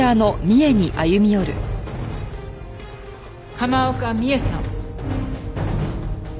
浜岡実枝さん。